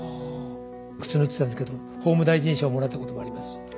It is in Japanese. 靴縫ってたんですけど法務大臣賞もらったこともありますし。